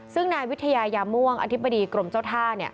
ซึ่งนายวิทยายาม่วงอธิบดีกรมเจ้าท่า